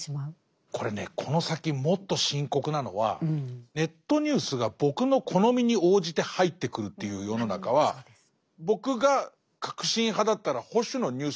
これねこの先もっと深刻なのはネットニュースが僕の好みに応じて入ってくるっていう世の中は僕が革新派だったら保守のニュースなんか一個も入ってこないんですよ。